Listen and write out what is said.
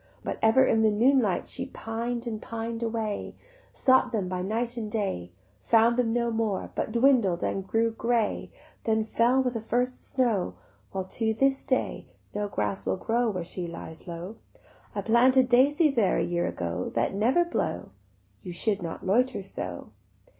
But ever in the noonlight She pined and pined away; Sought them by night and day, Found them no more, but dwindled and grew grey; Then fell with the first snow, While to this day no grass will grow Where she lies low: I planted daisies there a year ago That never blow. You should not loiter so."